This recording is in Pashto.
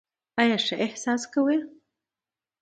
ایا ښه احساس کوئ؟